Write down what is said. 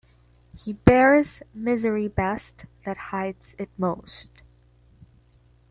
He bears misery best that hides it most.